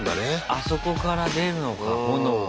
あそこから出るのか炎が。